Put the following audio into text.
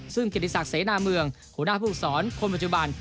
ซึ่งเกณฑิสักเสนามืองหัวหน้าผู้สอนคนปัจจุบัน